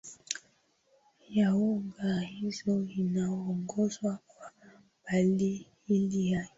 ya lugha hizo inaongoza kwa mbali ile ya